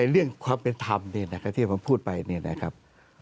เรื่องความเป็นธรรมที่ผมพูดไปนี่นะครับ